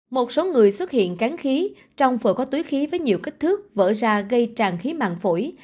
một số người xuất hiện cán khí trong phồ có túi khí với nhiều kích thước vỡ ra gây tràn khí mạng phổi